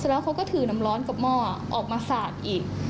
แล้วเขาก็ถือน้ำร้อนกับหม้อออกมาสาดอีก